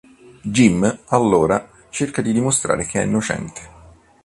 Jim allora cerca di dimostrare che è innocente.